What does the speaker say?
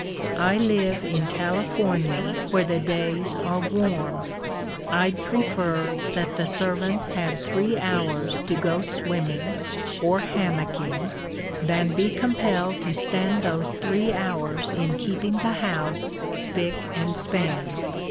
I live in California where the days are warm. I'd prefer that the servants had three hours to go swimming (or hammocking) than be compelled to spend those three hours in keeping the house spick and span.